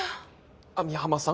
網浜さん。